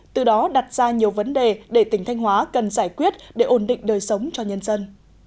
từ đó đặt ra nhiều vấn đề để tỉnh thanh hóa cần giải quyết để ổn định đời sống cho nhân dân